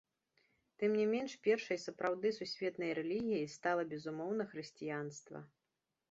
Тым не менш, першай сапраўды сусветнай рэлігіяй стала, безумоўна, хрысціянства.